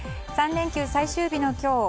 ３連休最終日の今日